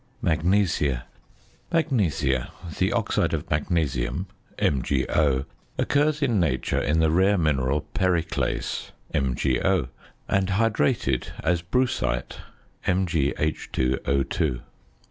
MAGNESIA. Magnesia, the oxide of magnesium (MgO) occurs in nature in the rare mineral periclase (MgO); and hydrated, as brucite (MgH_O_).